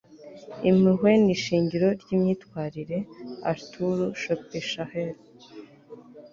impuhwe ni ishingiro ry'imyitwarire. - arthur schopenhauer